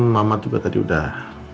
mama juga tadi udah